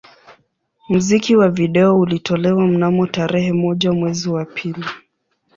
Muziki wa video ulitolewa mnamo tarehe moja mwezi wa pili